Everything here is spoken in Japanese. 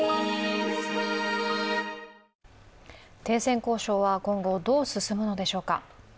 停戦交渉は今後どう進むのでしょうか。